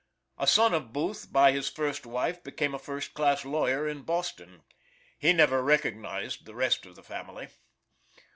A son of Booth by his first wife became a first class lawyer in Boston. He never recognized the rest of the family.